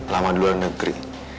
lama di luar negeri